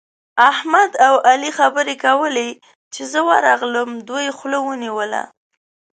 احمد او علي خبرې کولې؛ چې زه ورغلم، دوی خوله ونيوله.